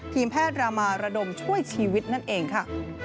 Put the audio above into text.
ทีมแพทย์รามาระดมช่วยชีวิตนั่นเองค่ะ